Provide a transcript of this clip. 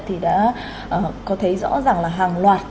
thì đã có thấy rõ ràng là hàng loạt